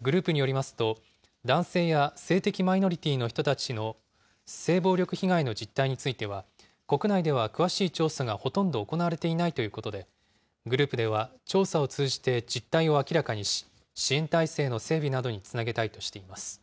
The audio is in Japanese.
グループによりますと、男性や性的マイノリティの人たちの性暴力被害の実態については、国内では詳しい調査がほとんど行われていないということで、グループでは調査を通じて実態を明らかにし、支援体制の整備などにつなげたいとしています。